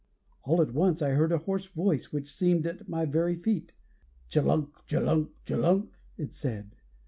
All at once I heard a hoarse voice, which seemed at my very feet. 'Chu lunk, chu lunk, chu lunk,' it said.